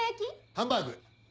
ハンバーグ！